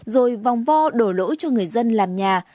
rồi vòng vo đổ cho người dân làm nhà